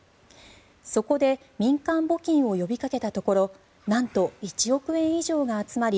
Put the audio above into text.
そこで民間募金を呼びかけたところなんと１億円以上が集まり